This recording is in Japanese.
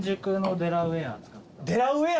デラウェア！